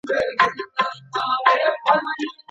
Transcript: ولي بيت المال د مرييانو لپاره برخه لري؟